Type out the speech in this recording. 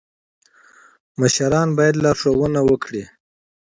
مشران باید لارښوونه وکړي